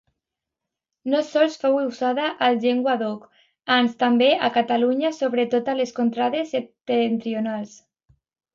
No sols fou usada al Llenguadoc, ans també a Catalunya, sobretot a les contrades septentrionals.